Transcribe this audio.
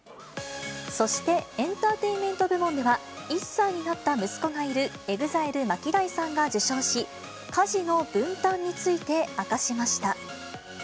そしてエンターテインメント部門では、１歳になった息子がいるＥＸＩＬＥ・ＭＡＫＩＤＡＩさんが受賞し、家事の分担について、明かしました。